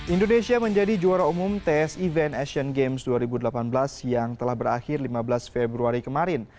indonesia menjadi juara umum ts event asian games dua ribu delapan belas yang telah berakhir lima belas februari kemarin